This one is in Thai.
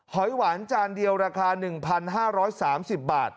หอยหวานจานเดียวราคา๑๕๓๐บาท